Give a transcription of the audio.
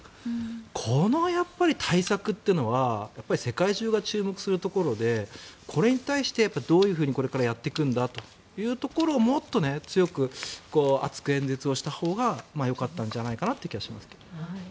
この対策というのは世界中が注目するところでこれに対してどういうふうにやっていくのかをもっと強く、熱く演説したほうがよかったんじゃないかなと思います。